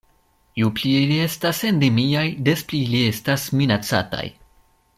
Ju pli ili estas endemiaj, des pli ili estas minacataj.